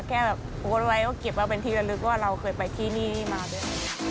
แค่แบบโปรไลท์ก็เก็บแล้วเป็นทีละลึกว่าเราเคยไปที่นี่มาด้วย